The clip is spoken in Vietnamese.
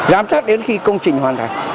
giám sát đến khi công trình hoàn thành